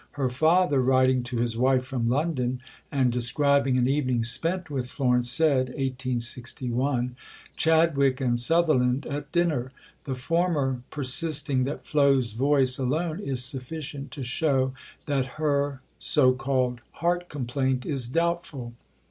Her father, writing to his wife from London, and describing an evening spent with Florence, said (1861): "Chadwick and Sutherland at dinner; the former persisting that Flo's voice alone is sufficient to show that her (so called) heart complaint is doubtful.